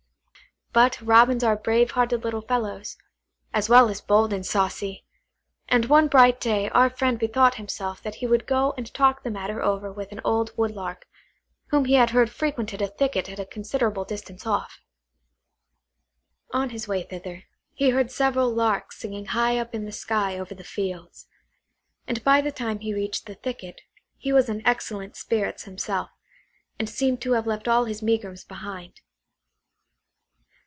But Robins are brave hearted little fellows, as well as bold and saucy; and one bright day our friend bethought himself that he would go and talk the matter over with an old Woodlark, whom he had heard frequented a thicket at a considerable distance off. On his way thither, he heard several larks singing high up in the sky over the fields; and by the time he reached the thicket he was in excellent spirits himself, and seemed to have left all his megrims behind.